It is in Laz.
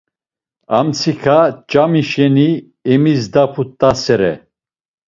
Amtsiǩa ç̌ami şeni emizdaput̆asere.